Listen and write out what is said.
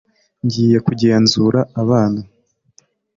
Ngiye kugenzura abana